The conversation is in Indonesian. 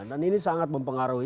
dan ini sangat mempengaruhi